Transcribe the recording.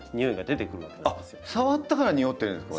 触ったからにおってるんですか？